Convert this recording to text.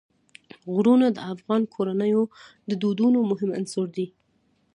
غرونه د افغان کورنیو د دودونو مهم عنصر دی.